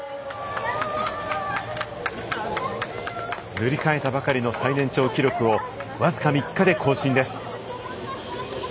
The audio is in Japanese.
塗り替えたばかりの最年長記録を僅か３日で更新です。